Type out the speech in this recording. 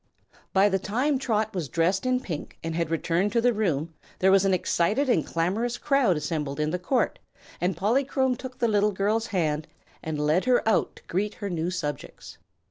By the time Trot was dressed in pink, and had returned to the room, there was an excited and clamorous crowd assembled in the court, and Polychrome took the little girl's hand and led her out to greet her new subjects.